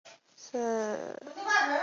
大型蝴蝶。